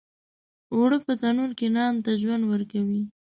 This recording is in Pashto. اوړه په تنور کې نان ته ژوند ورکوي